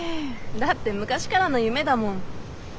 だって昔からの夢だもん。